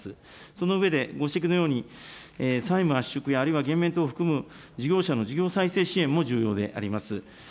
その上で、ご指摘のように債務、やあるいは減免等を含む事業者の事業再生支援も重要であります。